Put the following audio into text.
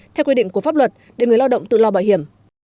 theo quy định của pháp luật để người lao động tự lo bảo hiểm